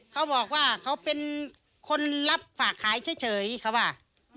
เขาบอกว่าเขาเป็นคนรับฝากขายเฉยเขาว่า